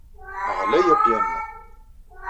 Ɣlay apyanu.